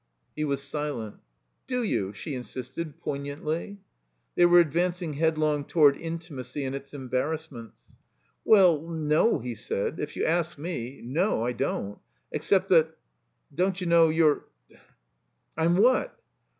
He was silent. "Z?a you?" she insisted, poignantly. They were advancing headlong toward intimacy and its embarrassments. "Well, no," he said, "if you ask me — no, I don't. Except that, don't you know, you're —" "I'm what?"